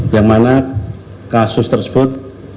yang mana kasus tersebut